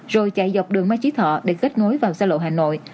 rồi chạy dọc đường mai chí thọ để kết nối vào xe lộ hà nội